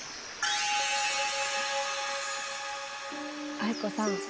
藍子さん